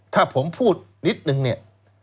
ถ้าผมพูดนิดนึงเนี่ย